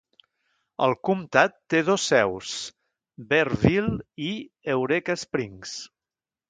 El comtat té dos seus: Berryville i Eureka Springs.